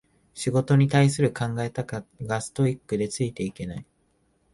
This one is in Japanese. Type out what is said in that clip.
仕事に対する考え方がストイックでついていけない